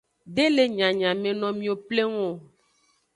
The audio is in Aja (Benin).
De le nyanyamenomiwo pleng o.